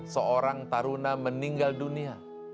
seorang taruna meninggal dunia